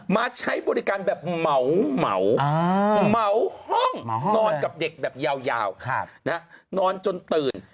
มาใช้บริการแบบเหมาเหมาห้องนอนกับเด็กแบบยาวนอนจนตื่น